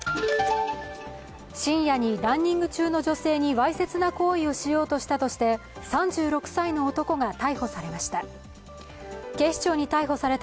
深夜にランニング中の女性にわいせつな行為をしようとしたとして３６歳の男が逮捕されました。